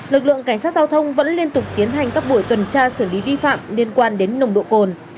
lực lượng cảnh sát giao thông vẫn liên tục tiến hành các buổi tuần tra xử lý vi phạm liên quan đến nồng độ cồn